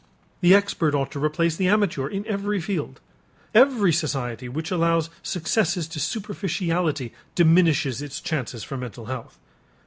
The expert ought to replace the amateur in every field. Every society which allows successes to superficiality diminishes its chances for mental health.